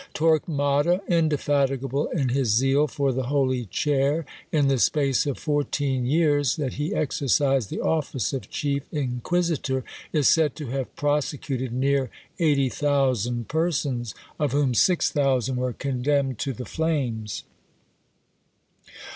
Torquemada, indefatigable in his zeal for the holy chair, in the space of fourteen years that he exercised the office of chief inquisitor, is said to have prosecuted near eighty thousand persons, of whom six thousand were condemned to the flames.